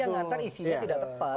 ya mengantar isinya tidak tepat